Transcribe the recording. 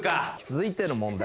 続いての問題。